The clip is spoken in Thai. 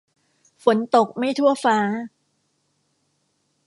ฝนตกไม่ทั่วฟ้า